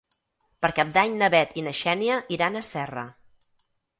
Per Cap d'Any na Bet i na Xènia iran a Serra.